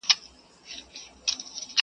ته په ډله کي روان سه د څارویو٫